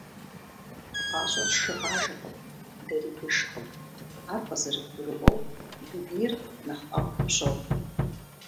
Гъащӏэр шыгъажэкъым, дэри дышкъым. Ар къызэрыбгурыӏуэу, дунейр нэхъ ӏэфӏ пщохъу.